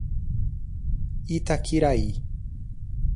Itaquiraí